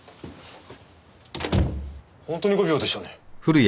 本当に５秒でしたね。